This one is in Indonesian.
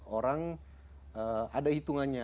orang ada hitungannya